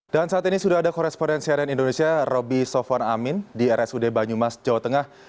dan saat ini sudah ada korespondensian indonesia roby sofon amin di rsud banyumas jawa tengah